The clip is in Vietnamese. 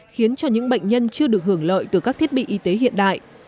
khiến cho những bệnh nhân chưa được hưởng lợi từ các thiết bị y tế hiện đại